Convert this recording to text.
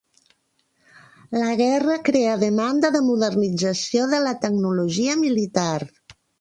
La guerra crea demanda de modernització de la tecnologia militar.